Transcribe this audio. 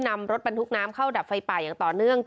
นำรถบรรทุกน้ำเข้าดับไฟป่าอย่างต่อเนื่อง